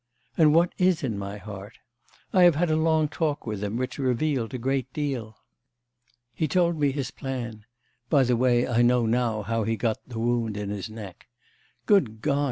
... And what is in my heart? I have had a long talk with him, which revealed a great deal. He told me his plan (by the way, I know now how he got the wound in his neck.... Good God!